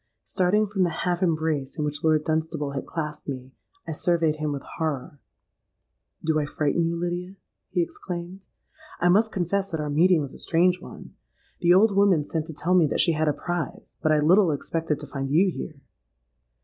Starting from the half embrace in which Lord Dunstable had clasped me, I surveyed him with horror. 'Do I frighten you, Lydia?' he exclaimed. 'I must confess that our meeting is a strange one. The old woman sent to tell me that she had a prize; but I little expected to find you here.'